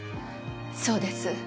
そうです。